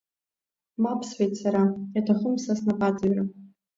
Мап сҳәеит сара, иаҭахым сара снапаҵаҩра.